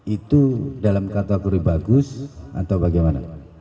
itu dalam kategori bagus atau bagaimana